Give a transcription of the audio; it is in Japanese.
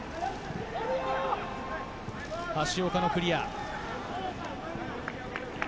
橋岡のクリア。